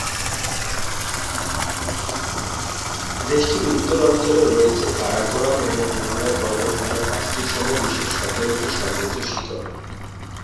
দেশটির উত্তর অঞ্চলে রয়েছে কারাকোরাম এবং হিমালয় পর্বতমালার পাঁচটি সহ বিশ্বের সতেরোটি সর্বোচ্চ শিখর।